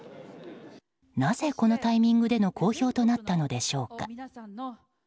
なぜ、このタイミングでの公表となったのでしょうか。